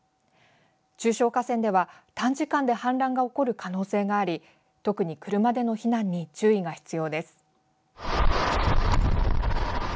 中小河川では、短時間で氾濫が起こる可能性があり特に車での避難に注意が必要です。